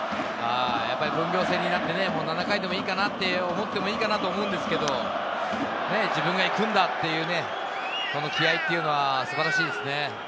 分業制になって、７回でもいいかなって思ってもいいかなと思うんですけど、自分が行くんだっていうこの気合というのは素晴らしいですね。